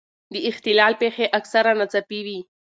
د اختلال پېښې اکثره ناڅاپي وي.